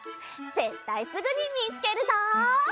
ぜったいすぐにみつけるぞ！